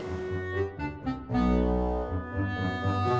enggak usah katanya